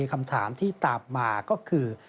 คำถามที่ตามมาก็คือ